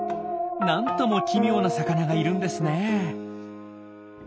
なんとも奇妙な魚がいるんですね。